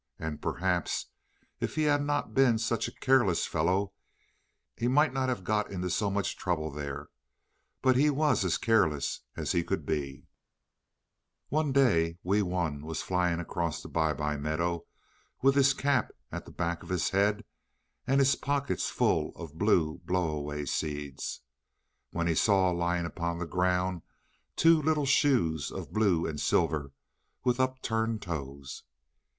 And perhaps if he had not been such a careless fellow he might not have got into so much trouble there; but he was as careless as he could be. [Footnote 11: From Little Folks' Magazine. By permission of Messrs Cassell & Co., Ltd.] One day Wee Wun was flying across the Bye bye Meadow, with his cap at the back of his head, and his pockets full of blue blow away seeds, when he saw lying upon the ground two little shoes of blue and silver, with upturned toes.